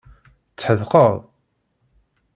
Tḥedqeḍ?